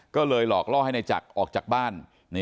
ก็เลยหลอกล่อให้นายจักรออกจากบ้าน